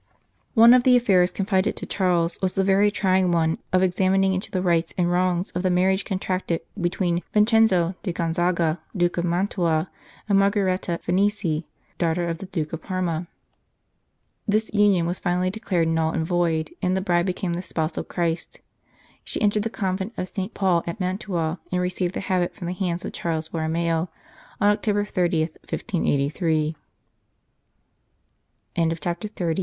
One of the affairs confided to Charles was the very trying one of examining into the rights and wrongs of the marriage contracted between Vin cenzo di Gonzaga, Duke of Mantua, and Mar geretta Farnese, daughter of the Duke of Parma. This union was finally declared null and void, and the bride became the spouse of Christ. She entered the Convent of St. Paul at Mantua, and received the habit from the hands of Charles Borromeo on October 30, 1583. 209 CHAPTER XXX